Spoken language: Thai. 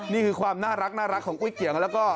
นี่คือความน่ารักของอุ๊ยเกี่ยง